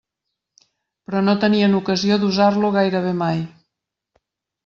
Però no tenien ocasió d'usar-lo gairebé mai.